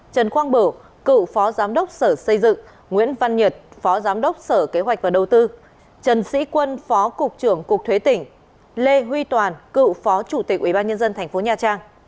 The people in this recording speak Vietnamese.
trần quang bửu cựu phó giám đốc sở xây dựng nguyễn văn nhật phó giám đốc sở kế hoạch và đầu tư trần sĩ quân phó cục trưởng cục thuế tỉnh lê huy toàn cựu phó chủ tịch ubnd tp nha trang